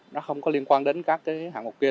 nó không có liên quan đến các cái hạng mục kia